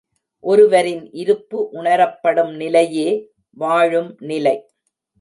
ஒருவரின் இருப்பு உணரப்படும் நிலையே வாழும் நிலை.